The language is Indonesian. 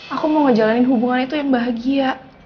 aku mau ngejalanin hubungan itu yang bahagia